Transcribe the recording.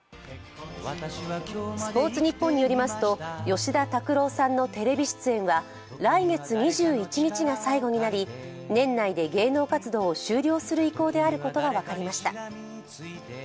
スポーツニッポンによりますと吉田拓郎さんのテレビ出演は来月２１日が最後になり年内で芸能活動を終了する意向であることが分かりました。